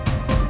aku mau ke sana